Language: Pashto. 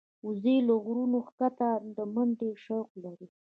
وزې له غرونو ښکته د منډې شوق لري